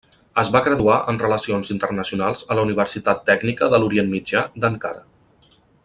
Es va graduar en Relacions Internacionals a la Universitat Tècnica de l'Orient Mitjà d'Ankara.